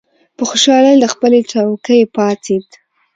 په خوشالۍ له خپلې څوکۍ پاڅېد.